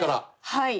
はい。